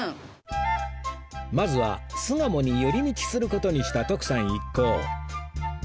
まずは巣鴨に寄り道する事にした徳さん一行